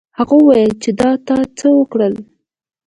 هغه وویل چې دا تا څه وکړل.